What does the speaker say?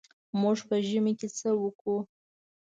موږ په ژمي کې څه وکړو.